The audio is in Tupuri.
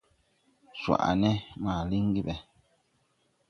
Jwaʼ ne ma liŋgi ɓɛ.